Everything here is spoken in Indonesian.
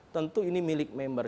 tentu ini milik member